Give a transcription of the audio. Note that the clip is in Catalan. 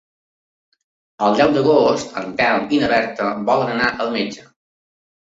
El deu d'agost en Telm i na Berta volen anar al metge.